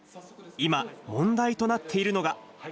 今、問題となっているのが。